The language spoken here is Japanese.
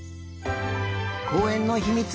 こうえんのひみつ